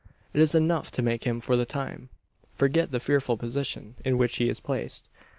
It is enough to make him, for the time, forget the fearful position in which he is placed.